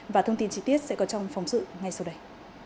và thông tin trí tiết sẽ có trong phóng sự ngay sau đây